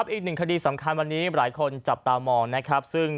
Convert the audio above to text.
อีก๑ความสำคัญวันนี้หลายคนจับตามง